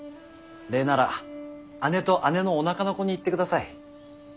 礼なら姉と姉のおなかの子に言ってください。